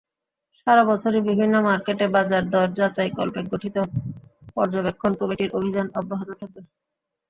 সারা বছরই বিভিন্ন মার্কেটে বাজারদর যাচাইকল্পে গঠিত পর্যবেক্ষণ কমিটির অভিযান অব্যাহত থাকবে।